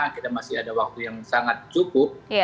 kita masih ada waktu yang sangat cukup